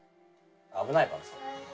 危ないからさ。